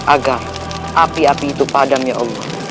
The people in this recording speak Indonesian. agar api api itu padam ya allah